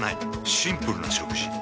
シンプルな食事。